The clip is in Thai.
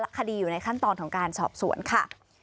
คดีอยู่ในขั้นตอนของการสอบสวนค่ะ